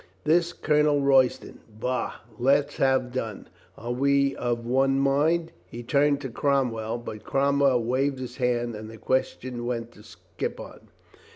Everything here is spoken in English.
This Colonel Royston. Bah ! Let's have done. Are we of one mind?" He turned to Cromwell. But Cromwell waved his hand and the question went to Skippon.